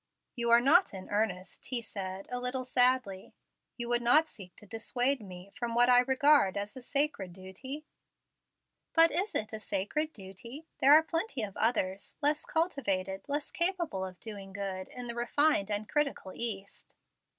"You are not in earnest," he said, a little sadly. "You would not seek to dissuade me from what I regard as a sacred duty?" "But is it 'a sacred duty'? There are plenty of others less cultivated, less capable of doing good in the refined and critical East."